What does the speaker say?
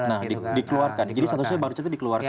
nah dikeluarkan jadi satunya pak richard itu dikeluarkan karena